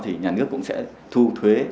thì nhà nước cũng sẽ thu thuế